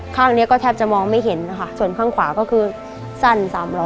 ข้างนี้ก็แทบจะมองไม่เห็นนะคะส่วนข้างขวาก็คือสั้นสามล้อ